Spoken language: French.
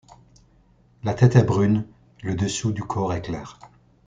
La tête est brune, le dessous du corps est clair.